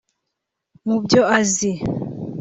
Mu byo azi